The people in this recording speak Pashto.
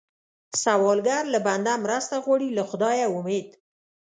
سوالګر له بنده مرسته غواړي، له خدایه امید